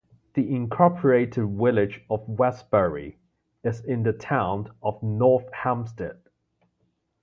The Incorporated Village of Westbury is in the Town of North Hempstead.